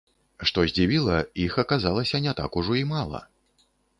Што здзівіла, іх аказалася не так ужо і мала.